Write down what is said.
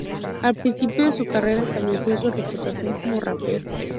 Al principio de su carrera, estableció su reputación como rapero.